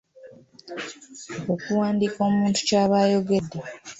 Okuwandiika omuntu ky’aba ayogedde.